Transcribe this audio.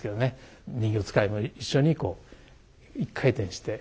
人形遣いも一緒にこう一回転して。